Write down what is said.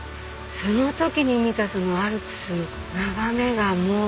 その時に見たアルプスの眺めがもう。